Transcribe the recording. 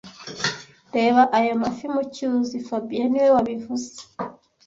Reba ayo mafi mu cyuzi fabien niwe wabivuze